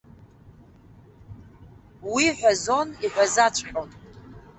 Уи ҳәазон, иҳәазаҵәҟьон.